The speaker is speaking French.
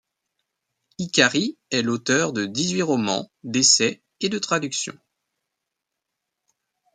Hikari est l'auteur de dix-huit romans, d'essais et de traductions.